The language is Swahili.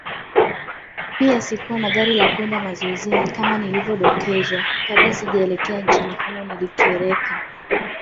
pia sikuwa na gari la kwenda mazoezini kama nilivyodokezwa kabla sijaelekea nchini humoNilikereka